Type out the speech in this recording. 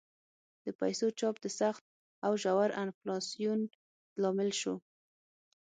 د پیسو چاپ د سخت او ژور انفلاسیون لامل شو.